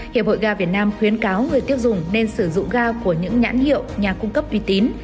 hiệp hội ga việt nam khuyến cáo người tiêu dùng nên sử dụng ga của những nhãn hiệu nhà cung cấp uy tín